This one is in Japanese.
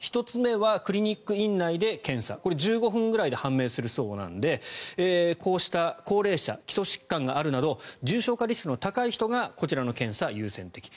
１つ目はクリニック院内で検査これは１５分ぐらいで判明するそうなのでこうした高齢者基礎疾患があるなど重症化リスクの高い人がこちらの検査、優先的。